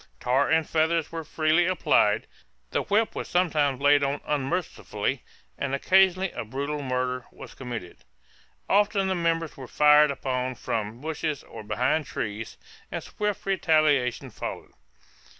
Tar and feathers were freely applied; the whip was sometimes laid on unmercifully, and occasionally a brutal murder was committed. Often the members were fired upon from bushes or behind trees, and swift retaliation followed.